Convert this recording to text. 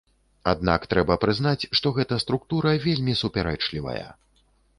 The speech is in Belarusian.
Аднак трэба прызнаць, што гэта структура вельмі супярэчлівая.